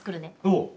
おう！